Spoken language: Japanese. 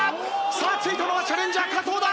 さあついたのはチャレンジャー加藤だ。